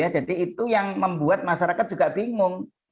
itu yang membuat masyarakat juga bingung